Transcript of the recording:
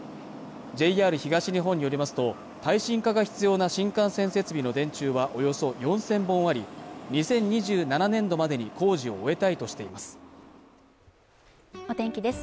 ＪＲ東日本によりますと耐震化が必要な新幹線設備の電柱はおよそ４０００本あり２０２７年度までに工事を終えたいとしていますお天気です